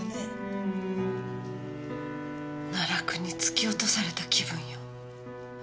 奈落に突き落とされた気分よ。